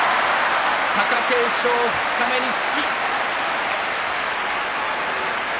貴景勝、二日目に土。